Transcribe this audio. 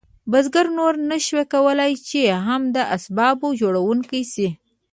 بزګر نور نشو کولی چې هم د اسبابو جوړونکی شي.